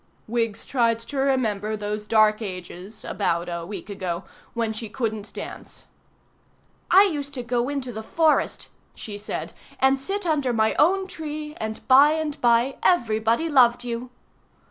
Wiggs tried to remember those dark ages (about a week ago) when she couldn't dance. "I used to go into the forest," she said, "and sit under my own tree, and by and by everybody loved you."